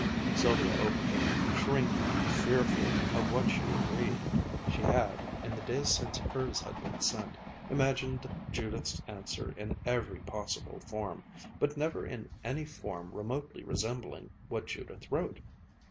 Sylvia opened it, shrinking and fearful of what she would read. She had, in the days since hers had been sent, imagined Judith's answer in every possible form; but never in any form remotely resembling what Judith wrote.